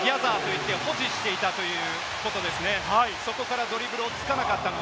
ボールをギャザーと言って保持していたということですね。